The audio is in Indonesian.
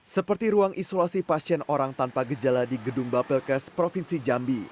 seperti ruang isolasi pasien orang tanpa gejala di gedung bapelkes provinsi jambi